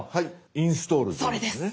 「インストール」でいいんですね？